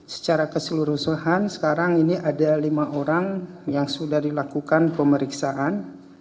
secara keseluruhan sekarang ini ada lima orang yang sudah dilakukan pemeriksaan